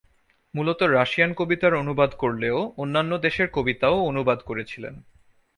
মূলত রাশিয়ান কবিতার অনুবাদ করলেও অন্যান্য দেশের কবিতাও অনুবাদ করেছিলেন।